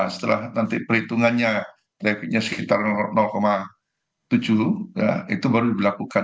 setelah nanti perhitungannya trafiknya sekitar tujuh itu baru dilakukan